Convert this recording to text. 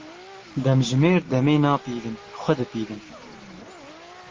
Demjimêr demê napîvin, xwe dipîvin.